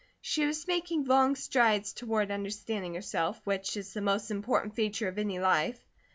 She was making long strides toward understanding herself, which is the most important feature of any life.